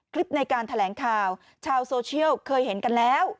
คลิปในการแถลงข่าวชาวโซเชียลเคยเห็นกันแล้ว